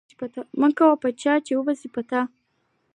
مه کوه په چا، چي وبه سي په تا